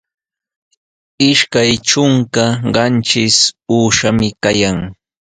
Ishkay trunka qanchis uushami kayan.